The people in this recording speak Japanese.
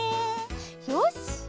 よし！